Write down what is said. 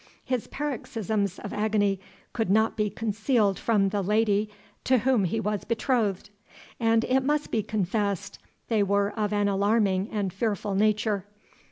His paroxysms of agony could not be concealed from the lady to whom he was betrothed; and it must be confessed they were of an alarming and fearful nature.